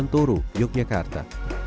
hidup manusia adalah hak kita